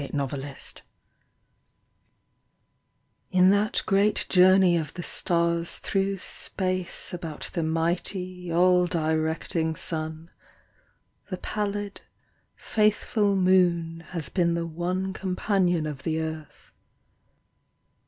A SOLAR ECLIPSE In that great journey of the stars through space About the mighty, all directing Sun, The pallid, faithful Moon has been the one Companion of the Earth.